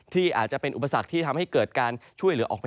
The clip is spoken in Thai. ที่อาจจะเป็นอุปสรรคที่ทำให้เกิดการช่วยเหลือออกไป